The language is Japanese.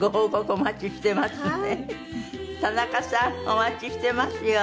田中さん！お待ちしてますよ！